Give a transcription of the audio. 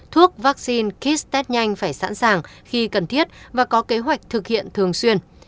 thuốc vaccine kit test nhanh phải sẵn sàng khi cần thiết và có kế hoạch thực hiện thường xuyên